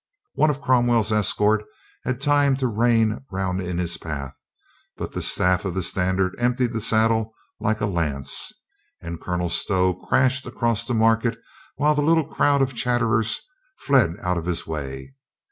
One of Cromwell's escort had time to rein round in his path, but the staff of the standard emptied the sad dle like a lance and Colonel Stow crashed across the market while the little crowds of chatterers fled out of his way.